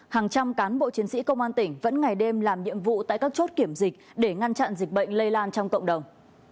hàng trăm cán bộ chiến sĩ công an tỉnh vẫn ngày đêm làm nhiệm vụ tại các chốt kiểm dịch để ngăn chặn dịch bệnh lây lan trong cộng đồng